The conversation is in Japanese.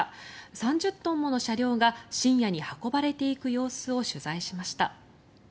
３０トンもの車両が深夜に運ばれていく様子を取材しました。